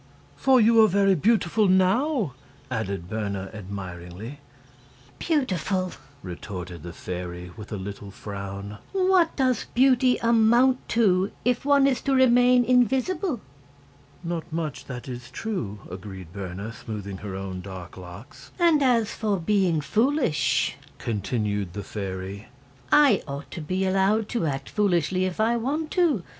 "For you are very beautiful NOW," added Berna, admiringly. "Beautiful!" retorted the fairy, with a little frown; "what does beauty amount to, if one is to remain invisible?" "Not much, that is true," agreed Berna, smoothing her own dark locks. "And as for being foolish," continued the fairy, "I ought to be allowed to act foolishly if I want to.